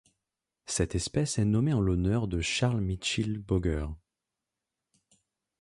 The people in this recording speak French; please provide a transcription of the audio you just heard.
Cette espèce est nommée en l'honneur de Charles Mitchill Bogert.